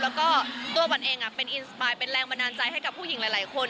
แล้วก็ตัวป่านเองเป็นแรงบันดาลใจให้กับผู้หญิงหลายคน